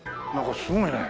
すごいね。